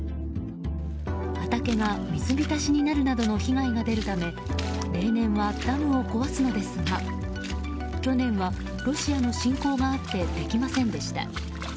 畑が水浸しになるなどの被害が出るため例年はダムを壊すのですが去年はロシアの侵攻があってできませんでした。